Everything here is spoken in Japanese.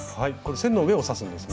線の上を刺すんですね。